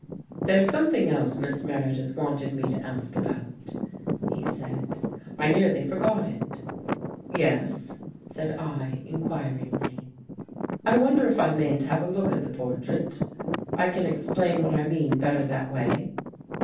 " There's something else Miss Meredith wanted me to ask about," he said. " I nearly forgot it." " Yes? " said I inquiringly. " I wonder if I mayn't have a look at the por trait? I can explain what I mean better that way."